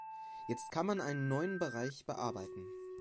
Jetzt kann man einen neuen Bereich bearbeiten.